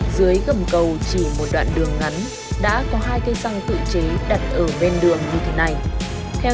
dưới gầm cầu chỉ một đoạn đường ngắn đã có hai cây xăng tự chế đặt ở bên đường như thế này